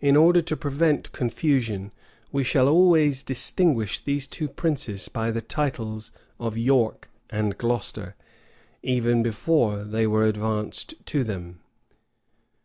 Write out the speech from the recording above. In order to prevent confusion, we shall always distinguish these two princes by the titles of York and Glocester, even before they were advanced to them.